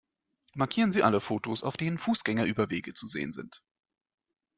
Markieren Sie alle Fotos, auf denen Fußgängerüberwege zu sehen sind!